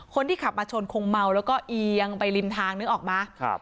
คนที่ขับมาชนคงเมาแล้วก็เอียงไปริมทางนึกออกไหม